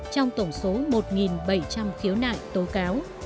trong tổng số một bảy trăm linh khiếu nại tố cáo